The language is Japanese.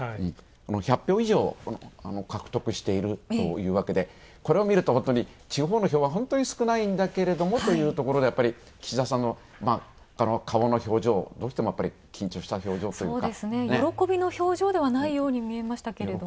１００票以上獲得しているというわけでこれを見ると本当に地方の票は本当に少ないんだけれどもというところでやっぱり岸田さんの顔の表情どうしてもやっぱり緊張した表情というか。